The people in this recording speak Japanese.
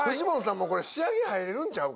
もうこれ仕上げ入れるんちゃうか？